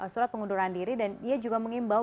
surat pengunduran diri dan ia juga mengimbau